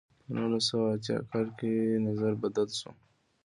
په نولس سوه اتیا کال کې نظر بدل شو.